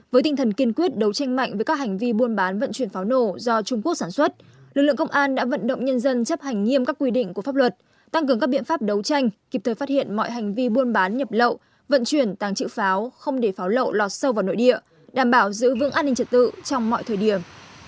với tinh thần kiên quyết đấu tranh mạnh với các hành vi buôn bán vận chuyển pháo nổ do trung quốc sản xuất lực lượng công an đã vận động nhân dân chấp hành nghiêm các quy định của pháp luật tăng cường các biện pháp đấu tranh kịp thời phát hiện mọi hành vi buôn bán nhập lậu vận chuyển tàng trữ pháo không để pháo lộ lọt sâu vào nội địa đảm bảo giữ vững an ninh trật tự trong mọi thời điểm